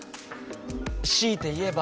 しいて言えば。